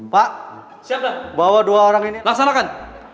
pak siapa bawa dua orang ini laksanakan